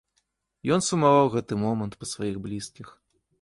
Ён сумаваў у гэты момант па сваіх блізкіх.